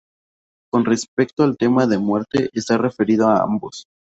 Con respecto al tema de muerte; está referida a ambos.